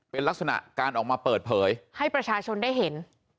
เป็นลักษณะการออกมาเปิดเผยให้ประชาชนได้เห็น